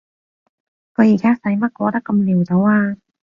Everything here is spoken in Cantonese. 佢而家使乜過得咁潦倒啊？